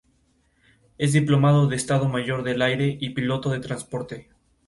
Es Diplomado de Estado Mayor del Aire y piloto de transporte.